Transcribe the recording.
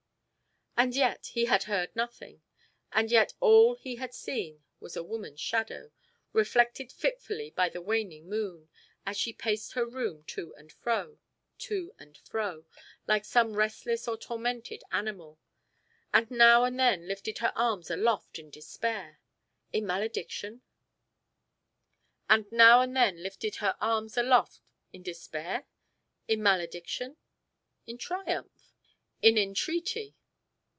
And yet he had heard nothing, and yet all he had seen was a woman's shadow, reflected fitfully by the waning moon, as she paced her room to and fro, to and fro, like some restless or tormented animal, and now and then lifted her arms aloft in despair? in malediction? in triumph? in entreaty?